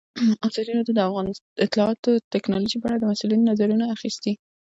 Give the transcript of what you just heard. ازادي راډیو د اطلاعاتی تکنالوژي په اړه د مسؤلینو نظرونه اخیستي.